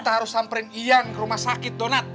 kita harus samperin ian ke rumah sakit donat